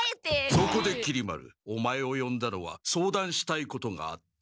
そこできり丸オマエをよんだのは相談したいことがあって。